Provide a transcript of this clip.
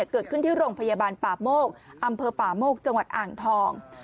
เกิดขึ้นที่โรงพยาบาลป่าโมกอำเภอป่าโมกจังหวัดอ่างทอง